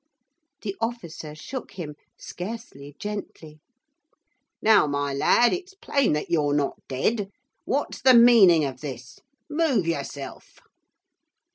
The officer shook him, scarcely gently. 'Now, my lad, it's plain that you're not dead! What's the meaning of this? Move yourself!